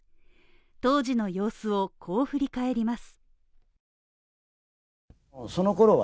当時の様子を、こう振り返ります。